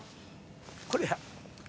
「これや！」